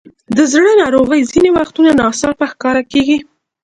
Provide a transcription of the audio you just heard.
د زړه ناروغۍ ځینې وختونه ناڅاپي ښکاره کېږي.